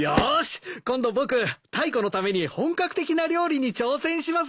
今度僕タイコのために本格的な料理に挑戦しますよ！